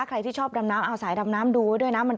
ใครที่ชอบดำน้ำเอาสายดำน้ำดูไว้ด้วยนะ